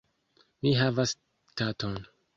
Mi havas katon.